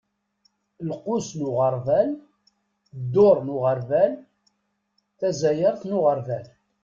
Lqus n uɣerbal, dduṛ n uɣerbal, tazayeṛt n uɣerbal.